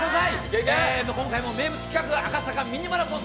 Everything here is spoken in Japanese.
名物企画、「赤坂ミニマラソン」